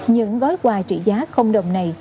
những gói quà trị giá không đồng này